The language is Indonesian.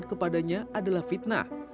kepadanya adalah fitnah